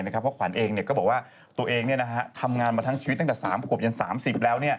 เพราะขวัญเองก็บอกว่าตัวเองทำงานมาทั้งชีวิตตั้งแต่๓ขวบจน๓๐แล้ว